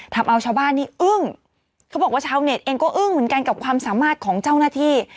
ทำเอาชาวบ้านนี้อึ้งเขาบอกว่าชาวเน็ตเองก็อึ้งเหมือนกันกับความสามารถของเจ้าหน้าที่